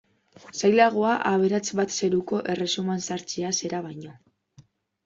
Zailagoa aberats bat zeruko erresuman sartzea zera baino.